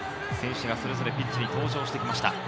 選手がそれぞれピッチに登場してきました。